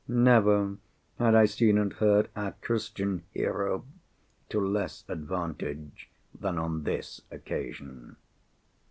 Never had I seen and heard our Christian Hero to less advantage than on this occasion.